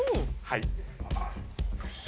はい。